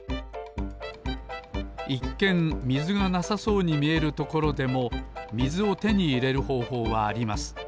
いっけんみずがなさそうにみえるところでもみずをてにいれるほうほうはあります。